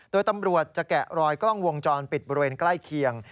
โดยตำรวจจะแกะรอยกล้องวงจรปิดบริเวณใกล้เคียง